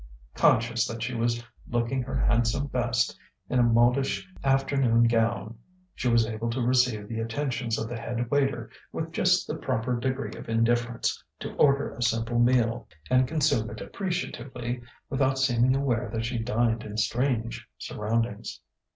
Conscious that she was looking her handsome best in a modish afternoon gown, she was able to receive the attentions of the head waiter with just the proper degree of indifference, to order a simple meal and consume it appreciatively without seeming aware that she dined in strange surroundings.